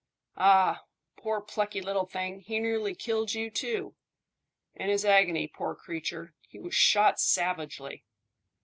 "Ah! Poor plucky little thing; he nearly killed you too." "In his agony, poor creature. He was shot savagely."